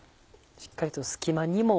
しっかりと隙間にも。